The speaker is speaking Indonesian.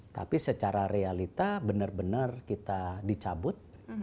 tapi secara realita benar benar kita dicabut